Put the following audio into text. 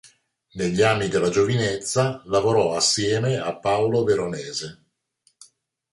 Negli anni della giovinezza lavorò assieme a Paolo Veronese.